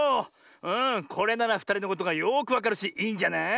うんこれならふたりのことがよくわかるしいいんじゃない？